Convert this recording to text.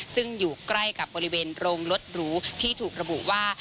ซึ่งอยู่ใกล้กับบริเวณโรงรถหรูที่ถูกระบุว่า